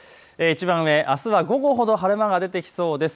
いちばん上、あすは午後ほど晴れ間が出てきそうです。